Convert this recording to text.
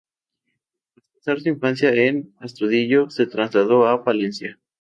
Tras pasar su infancia en Astudillo, se trasladó a Palencia.